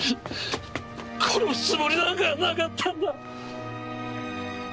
殺すつもりなんかなかったんだ！